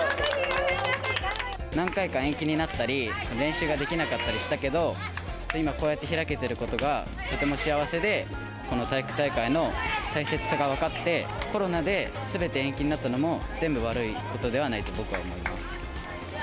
何回か延期になったり、練習ができなかったりしたけど、今、こうやって開けてることがとても幸せで、この体育大会の大切さが分かって、コロナですべて延期になったのも、全部悪いことではないと僕は思います。